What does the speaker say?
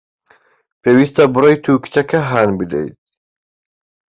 پێویستە بڕۆیت و کچەکە هان بدەیت.